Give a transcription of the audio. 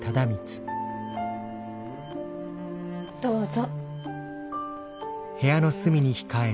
どうぞ。